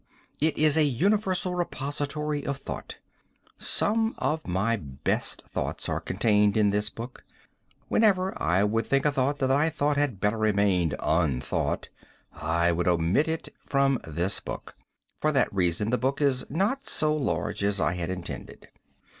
It is a universal repository of thought. Some of my best thoughts are contained in this book. Whenever I would think a thought that I thought had better remain unthought, I would omit it from this book. For that reason the book is not so large as I had intended.